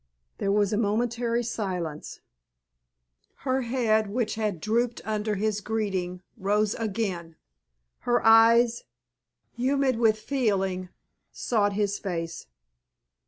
There was a momentary silence. Her head, which had drooped under his greeting, rose again. Her eyes, humid with feeling, sought his face.